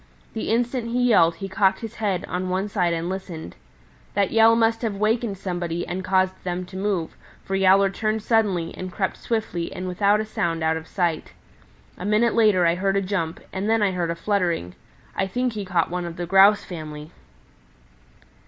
The instant he yelled he cocked his head on one side and listened. That yell must have wakened somebody and caused them to move, for Yowler turned suddenly and crept swiftly and without a sound out of sight. A minute later I heard a jump, and then I heard a fluttering. I think he caught one of the Grouse family."